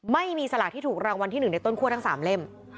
ไม่มีสลากที่ถูกรางวัลที่๑ในต้นคั่วทั้ง๓เล่ม